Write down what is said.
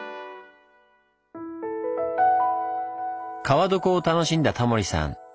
川床を楽しんだタモリさん